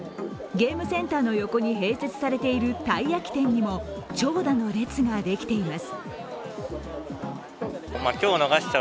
ゲームセンターの横に併設されているたい焼き店にも長蛇の列ができています。